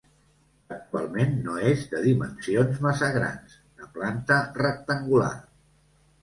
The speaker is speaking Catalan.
Actualment no és de dimensions massa grans, de planta rectangular.